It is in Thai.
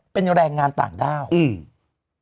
เป็นแรงงานต่างดาวน์